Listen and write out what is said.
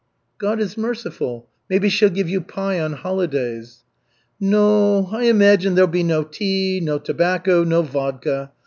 "God is merciful. Maybe she'll give you pie on holidays." "No, I imagine there'll be no tea, no tobacco, no vodka.